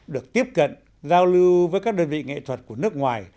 được tiếp cận giao lưu với các đơn vị nghệ thuật của nước ngoài